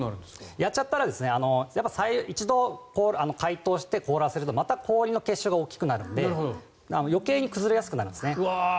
やっちゃうと一度、解凍して凍らせるとまた氷の結晶が大きくなるので余計に崩れやすくなるんですね。